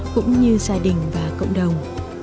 cũng như gia đình và cộng đồng